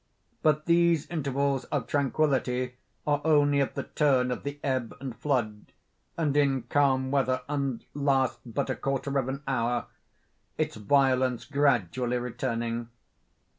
But these intervals of tranquility are only at the turn of the ebb and flood, and in calm weather, and last but a quarter of an hour, its violence gradually returning.